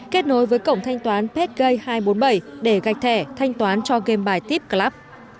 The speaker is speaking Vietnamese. kết nối với cổng thanh toán petgay hai trăm bốn mươi bảy để gạch thẻ thanh toán cho game bài tipclub